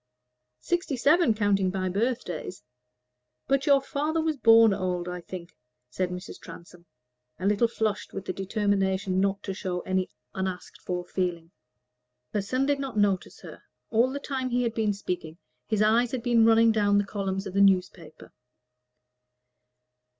"Sixty seven, counting by birthdays; but your father was born old, I think," said Mrs. Transome, a little flushed with the determination not to show any unasked for feeling. Her son did not notice her. All the time he had been speaking his eyes had been running down the columns of the newspaper.